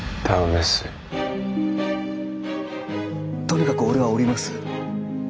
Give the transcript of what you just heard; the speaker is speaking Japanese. とにかく俺は降ります。